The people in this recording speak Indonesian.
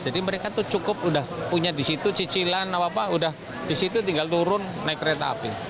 jadi mereka itu cukup udah punya disitu cicilan apa apa udah disitu tinggal turun naik kereta api